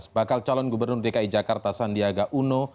bakal calon gubernur dki jakarta sandiaga uno